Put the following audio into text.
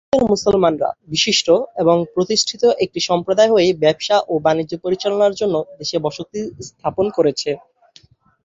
দক্ষিণ এশিয়ার মুসলমানরা, বিশিষ্ট এবং প্রতিষ্ঠিত একটি সম্প্রদায় হয়ে ব্যবসা ও বাণিজ্য পরিচালনার জন্য দেশে বসতি স্থাপন করেছে।